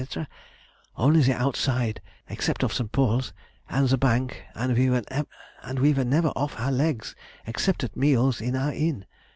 Mem: only the outside, except of St. Paul's and the Bank, and we were never off our legs, except at meals in our inn.